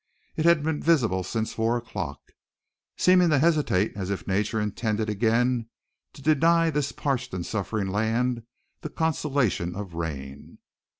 It had been visible since four o'clock, seeming to hesitate as if nature intended again to deny this parched and suffering land the consolation of rain.